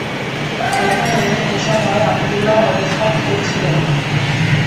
এখানে এসময় আবদুল্লাহ অবস্থান করছিলেন।